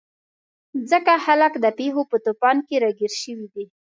ځکه خلک د پېښو په توپان کې راګیر شوي دي.